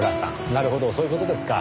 なるほどそういう事ですか。